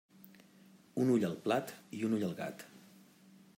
Un ull al plat i un ull al gat.